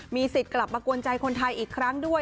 มีสิทธิ์กลับมากวนใจคนไทยอีกครั้งด้วย